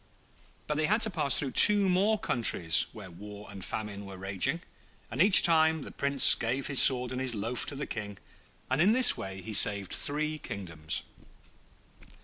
But they had to pass through two more countries where war and famine were raging, and each time the Prince gave his sword and his loaf to the King, and in this way he saved three kingdoms.